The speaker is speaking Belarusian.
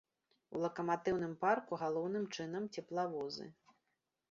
У лакаматыўным парку галоўным чынам цеплавозы.